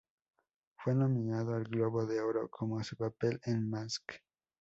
Fue nominado al Globo de Oro como por su papel en "Mask".